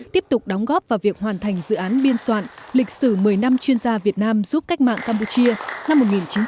tiếp tục đóng góp vào việc hoàn thành dự án biên soạn lịch sử một mươi năm chuyên gia việt nam giúp cách mạng campuchia năm một nghìn chín trăm bảy mươi tám một nghìn chín trăm tám mươi tám